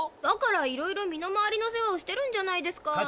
だからいろいろ身の回りの世話をしてるんじゃないですか。